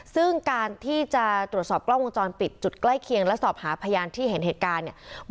ซึ่งการที่จะตรวจสอบกล้องวงจรปิดจุดใกล้เคียงและสอบหาพยานที่เห็นเหตุการณ์เนี่ย